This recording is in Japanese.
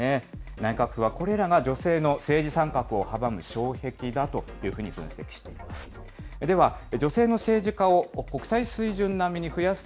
内閣府は、これらが女性の政治参画を阻む障壁だというふうに分析しています。